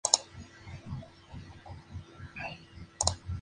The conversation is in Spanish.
El adulto Leonardo tenía pocas relaciones cercanas con mujeres y nunca se casó.